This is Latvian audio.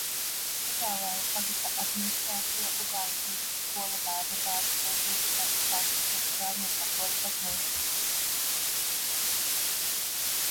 Ugālē ir pagasta administrācija, Ugāles vidusskola, bērnudārzs, kultūras nams, pasts, luterāņu un katoļu baznīcas.